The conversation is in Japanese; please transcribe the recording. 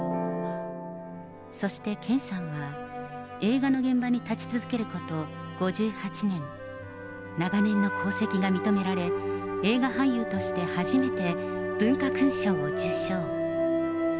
そして、健さんは映画の現場に立ち続けること５８年、長年の功績が認められ、映画俳優として初めて、文化勲章を受章。